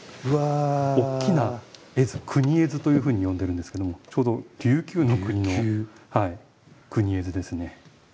国絵図というふうに呼んでるんですけどもちょうど琉球の国の国絵図ですね。